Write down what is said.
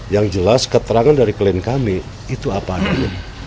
yang jelas keterangan dari klien kami itu apa adanya